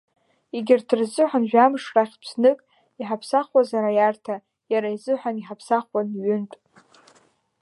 Егьырҭ рзыҳәан жәамш рахьтә знык иҳаԥсахуазар аиарҭа, иара изыҳәан иҳаԥсахуан ҩынтә.